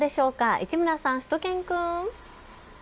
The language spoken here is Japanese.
市村さん、しゅと犬くん。